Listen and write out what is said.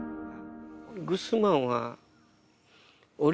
グスマンは。